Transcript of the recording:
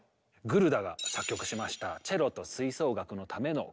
グルダが作曲しました「チェロと吹奏楽のための協奏曲」。